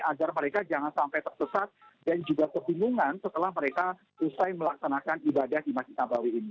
agar mereka jangan sampai tersesat dan juga kebingungan setelah mereka usai melaksanakan ibadah di masjid nabawi ini